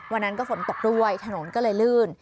วันนั้นก็ฝนตกด้วยถนนก็เลยลื่น